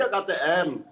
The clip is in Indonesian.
datang aja ke atm